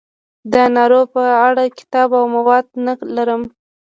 د نارو په اړه کتاب او مواد نه لرم.